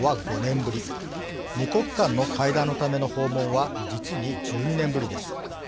２国間の会談のための訪問は実に１２年ぶりです。